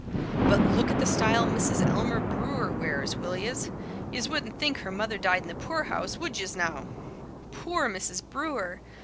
But look at the style Mrs. Elmer Brewer wears, will yez? Yez wouldn't think her mother died in the poor house, would yez, now?" Poor Mrs. Brewer!